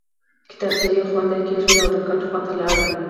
کتابچه یې یوې خواته کېښوده او د کټ خواته لاړ